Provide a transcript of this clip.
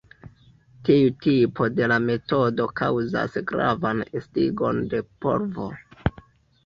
Tiu tipo de la metodo kaŭzas gravan estiĝon de polvo.